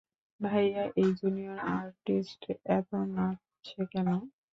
ভাইয়া, এই junior artist এত নাচছে কেন?